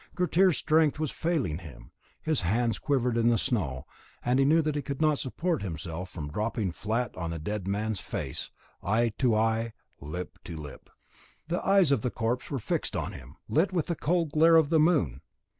Grettir's strength was failing him, his hands quivered in the snow, and he knew that he could not support himself from dropping flat on the dead man's face, eye to eye, lip to lip. The eyes of the corpse were fixed on him, lit with the cold glare of the moon.